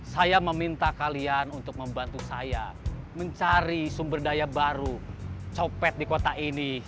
saya meminta kalian untuk membantu saya mencari sumber daya baru copet di kota ini